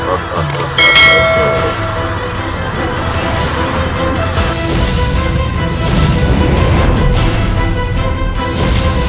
ajar lagi lagi kau pergi dariku sorowisesa